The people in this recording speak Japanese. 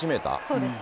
そうです。